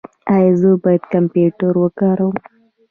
ایا زه باید کمپیوټر وکاروم؟